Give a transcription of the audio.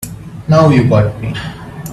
Now you got me.